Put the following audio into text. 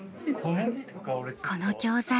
この教材